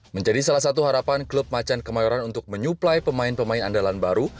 menjadi salah satu harapan klub macan kemayoran untuk menyuplai pemain pemain andalan baru